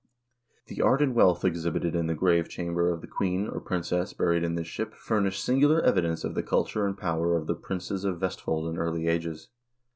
The art and wealth exhibited in the grave chamber of the queen, or princess, buried in this ship furnish singular evidence of the culture and power of the princes of Vestfold in early ages.